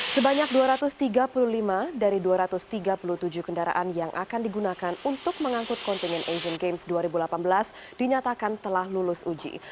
sebanyak dua ratus tiga puluh lima dari dua ratus tiga puluh tujuh kendaraan yang akan digunakan untuk mengangkut kontingen asian games dua ribu delapan belas dinyatakan telah lulus uji